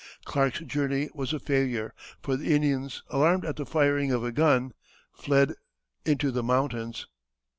Clark's journey was a failure, for the Indians, alarmed at the firing of a gun, fled into the mountains.